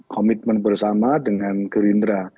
komitmen bersama dengan gerindra